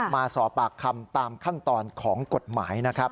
มาสอบปากคำตามขั้นตอนของกฎหมายนะครับ